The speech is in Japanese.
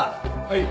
はい。